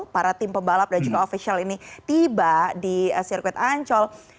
para tim pembalap dan juga ofisial ini tiba di sirkuit ancol